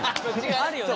あるよね。